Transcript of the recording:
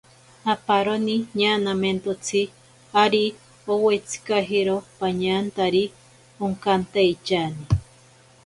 Aparoni ñanamentotsi ari owitsikajero pañantari onkantaityani.